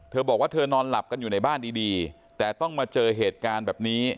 เธอบอกว่าเธอนอนหลับกันอยู่ในบ้านดีแต่ต้องมาเจอเหตุการณ์แบบนี้